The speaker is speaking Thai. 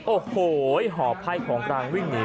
โอ้โหหอบไพ่ของกลางวิ่งหนี